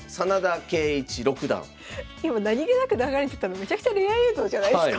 今何気なく流れてたのめちゃくちゃレア映像じゃないですか。